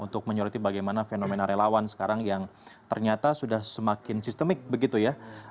untuk menyoroti bagaimana fenomena relawan sekarang yang ternyata sudah semakin sistemik begitu ya